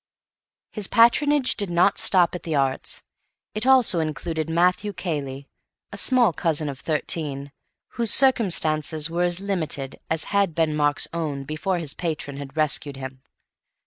His patronage did not stop at the Arts. It also included Matthew Cayley, a small cousin of thirteen, whose circumstances were as limited as had been Mark's own before his patron had rescued him.